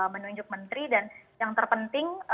menunjuk menteri dan yang terpenting